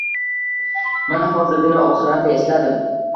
Mana hozirgina oxiratni esladim